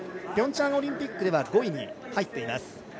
ピョンチャンオリンピックでは５位に入っています。